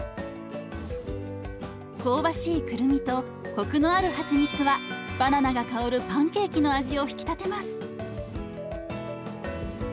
香ばしいくるみとコクのあるはちみつはバナナが香るパンケーキの味を引き立てます。